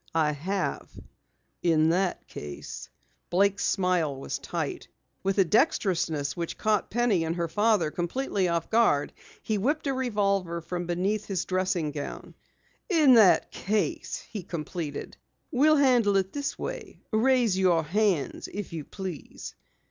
"I have." "In that case " Blake's smile was tight. With a dextrousness which caught Penny and her father completely off guard, he whipped a revolver from beneath his dressing robe. "In that case," he completed, "we'll handle it this way. Raise your hands, if you please."